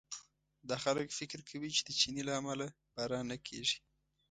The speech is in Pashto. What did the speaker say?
دا خلک فکر کوي چې د چیني له امله باران نه کېږي.